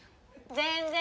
全然！